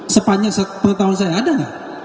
sepanjang pengetahuan saya ada nggak